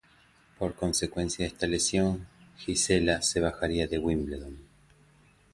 Por consecuencia de esta lesión Gisela se bajaría de Wimbledon.